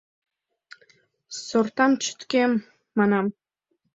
— Сортам чӱктем, — манам.